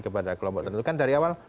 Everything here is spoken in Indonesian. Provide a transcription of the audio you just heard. kepada kelompok tentukan dari awal